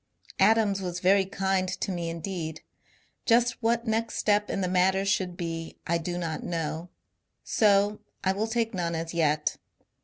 Adams was very kind to me indeed. Just what next step in the matter should be I do not know ; so I will take none as yet.